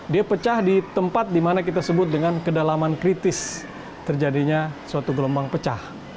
dia pecah di tempat dimana kita sebut dengan kedalaman kritis terjadinya suatu gelombang pecah